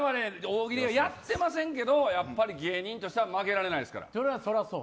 大喜利はやってませんけど芸人としては負けられないです。